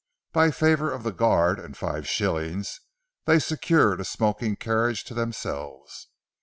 By favour of the guard and five shillings they secured a smoking carriage to themselves.